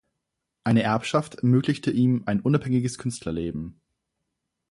Eine Erbschaft ermöglichte ihm ein unabhängiges Künstlerleben.